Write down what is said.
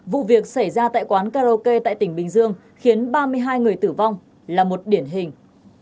vụ việc xảy ra tại quán karaoke tại tỉnh bình dương khiến ba mươi hai người tử vong là một điển hình